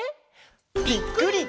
ぴっくり！